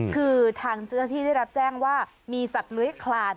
คือทางที่ได้รับแจ้งว่ามีสัตว์ล้วยคลาน